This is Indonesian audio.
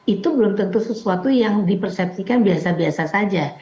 itu belum tentu sesuatu yang dipersepsikan biasa biasa saja